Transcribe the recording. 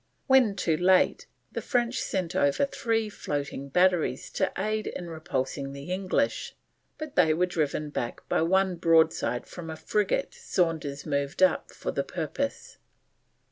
When too late the French sent over three floating batteries to aid in repulsing the English, but they were driven back by one broadside from a frigate Saunders moved up for the purpose.